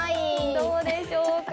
どうでしょうか？